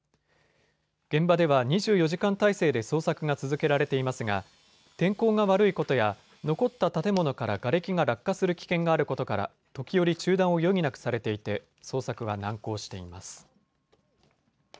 現場では２４時間態勢で捜索が続けられていますが天候が悪いことや残った建物からがれきが落下する危険があることから時折、中断を余儀なくされていて捜索は難航しています。